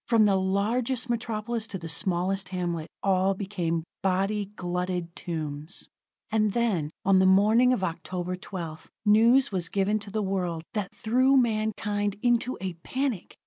From the largest metropolis to the smallest hamlet, all became body glutted tombs. And then, on the morning of October 12th, news was given to the world that threw mankind into a panic.